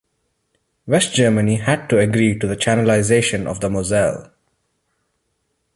West Germany had to agree to the channelization of the Moselle.